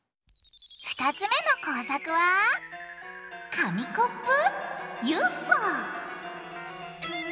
２つ目の工作は「紙コップＵＦＯ」！